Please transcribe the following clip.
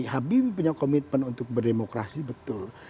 habibie punya komitmen untuk berdemokrasi betul